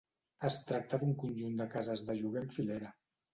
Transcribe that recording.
Es tracta d'un conjunt de cases de lloguer en filera.